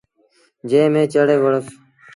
جݩهݩ ميݩ چڙهي وُهڙوس۔